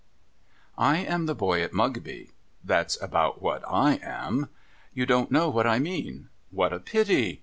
, I AM the boy at Mugby. That's about what /am. You don't know what I mean ? What a pity